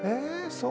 そう？